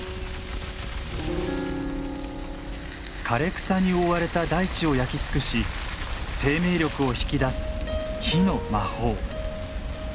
枯れ草に覆われた大地を焼き尽くし生命力を引き出す火の魔法。